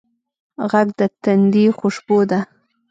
غږ د تندي خوشبو ده